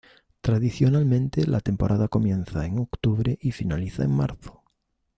Tradicionalmente, la temporada comienza en octubre y finaliza en marzo.